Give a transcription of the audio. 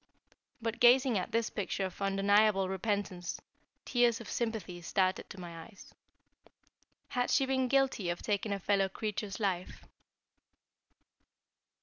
But gazing at this picture of undeniable repentance, tears of sympathy started to my eyes. Had she been guilty of taking a fellow creature's life?